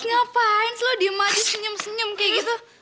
ih ngapain lo diem aja senyum senyum kayak gitu